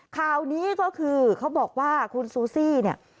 ข่าวนี้ก็คือเขาบอกว่าคุณซูซี่เนี่ย